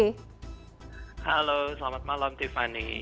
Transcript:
halo selamat malam tiffany